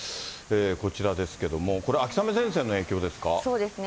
こちらですけども、そうですね。